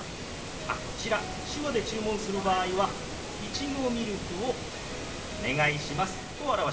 あっこちら手話で注文する場合は「いちごミルクをお願いします」と表します。